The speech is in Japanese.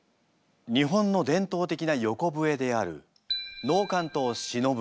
日本の伝統的な横笛である能管と篠笛